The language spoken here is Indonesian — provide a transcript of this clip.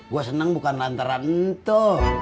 gue senang bukan lantaran itu